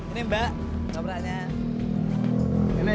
ini mbak topraknya